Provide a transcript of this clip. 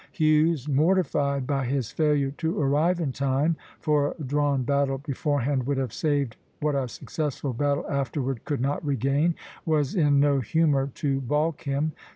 Hughes, mortified by his failure to arrive in time, for a drawn battle beforehand would have saved what a successful battle afterward could not regain, was in no humor to balk him.